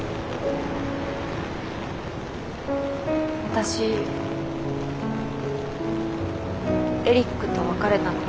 私エリックと別れたの。